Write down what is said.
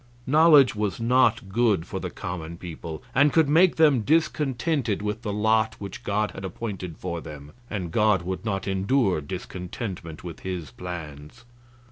Knowledge was not good for the common people, and could make them discontented with the lot which God had appointed for them, and God would not endure discontentment with His plans.